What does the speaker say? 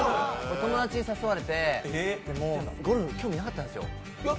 友達に誘われて、ゴルフ興味なかったんですよ。